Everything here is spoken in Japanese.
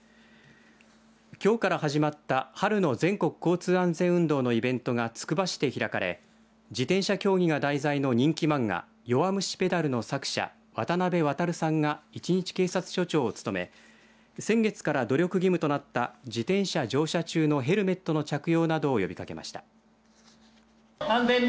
きょうから始まった春の全国交通安全運動のイベントがつくば市で開かれ自転車競技が題材の人気漫画弱虫ペダルの作者、渡辺航さんが一日警察署長を務め先月から努力義務となった自転車乗用中のヘルメットの着用などを呼びかけました。